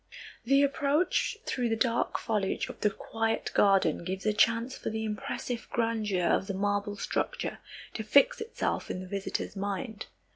The approach through the dark foliage of the quiet garden gives a chance for the impressive grandeur of the marble structure to fix itself in the visitor's mind.